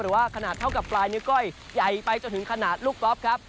ว่าขนาดเท่ากับปลายนิ้วก้อยใหญ่ไปจนถึงขนาดลูกก๊อฟครับ